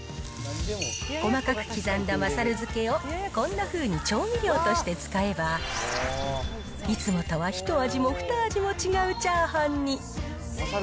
細かく刻んだまさる漬けを、こんなふうに調味料として使えば、いつもとはひと味もふた味も違うチャーハンに。